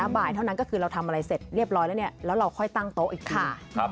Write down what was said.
บ่ายเท่านั้นก็คือเราทำอะไรเสร็จเรียบร้อยแล้วแล้วเราค่อยตั้งโต๊ะอีกค่ะ